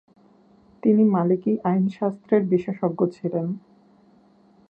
তিনি মালিকি আইনশাস্ত্রের বিশেষজ্ঞ ছিলেন।